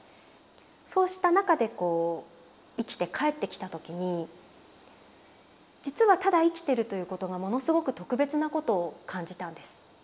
そうした中で生きて帰ってきた時に実はただ生きてるということがものすごく特別なことを感じたんです。